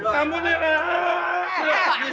kamu nih ah ah ah